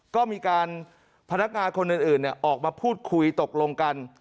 ก็มีการพนักงานคนอื่นออกมาพูดคุยตกลงกัน